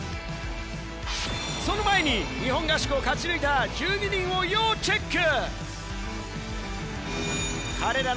その前に日本合宿を勝ち抜いた１２人を要チェック。